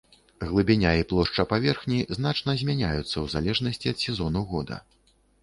Глыбіня і плошча паверхні значна змяняюцца ў залежнасці ад сезону года.